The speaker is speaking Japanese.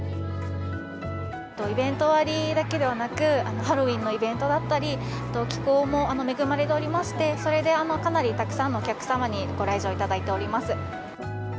イベント割だけではなく、ハロウィーンのイベントだったり、気候も恵まれておりまして、それでかなりたくさんのお客様にご来場いただいております。